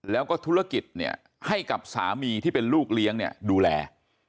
แล้วก็ธุรกิจให้กับสามีที่เป็นลูกเลี้ยงดูแล